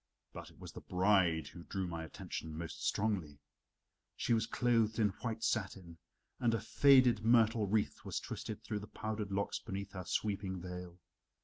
But it was the bride who drew my attention most strongly. She was clothed in white satin, and a faded myrtle wreath was twisted through the powdered locks beneath her sweeping veil.